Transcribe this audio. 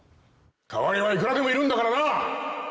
代わりはいくらでもいるんだからな！